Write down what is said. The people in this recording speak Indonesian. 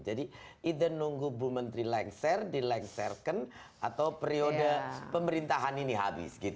jadi either nunggu bumetri lengser dilengserkan atau periode pemerintahan ini habis